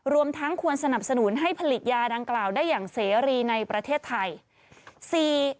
รวมทั้งควรสนับสนุนให้ผลิตยาดังกล่าวได้อย่างเสรีในประเทศไทย